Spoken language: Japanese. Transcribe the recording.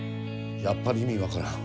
やっぱり意味分からん。